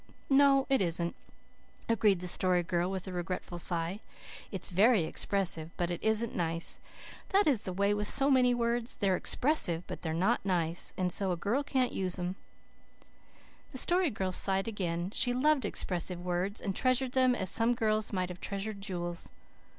"No, it isn't," agreed the Story Girl with a regretful sigh. "It's very expressive, but it isn't nice. That is the way with so many words. They're expressive, but they're not nice, and so a girl can't use them." The Story Girl sighed again. She loved expressive words, and treasured them as some girls might have treasured jewels.